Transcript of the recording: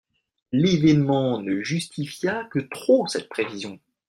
L'événement ne justifia que trop cette prévision.